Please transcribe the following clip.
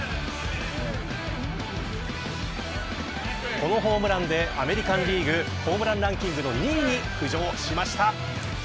このホームランでアメリカンリーグホームラン・ランキングの２位に浮上しました。